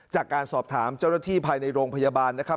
จากการสอบถามเจ้าหน้าที่ภายในโรงพยาบาลนะครับ